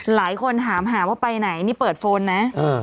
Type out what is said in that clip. หลายคนถามหาว่าไปไหนนี่เปิดโฟนนะ